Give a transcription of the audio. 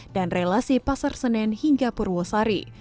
dan relasi pasar senen hingga purwosari